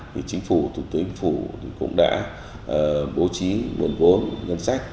thì chính phủ thủ tướng phủ cũng đã bố trí buồn vốn ngân sách